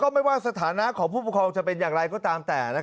ไม่ว่าสถานะของผู้ปกครองจะเป็นอย่างไรก็ตามแต่